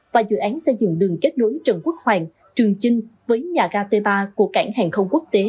và dự án xây dựng đường kết nối trần quốc hoàng trường chinh với nhà ga t ba của cảng hàng không quốc tế